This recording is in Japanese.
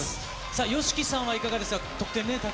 さあ、ＹＯＳＨＩＫＩさんはいかがでした？